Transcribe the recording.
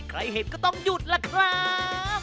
เห็นก็ต้องหยุดล่ะครับ